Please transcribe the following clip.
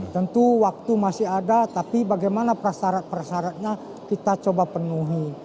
tentu waktu masih ada tapi bagaimana prasarat prasaratnya kita coba penuhi